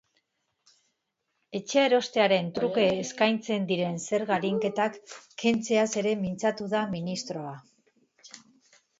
Etxea erostearen truke eskaintzen diren zerga-arinketak kentzeaz ere mintzatu da ministroa.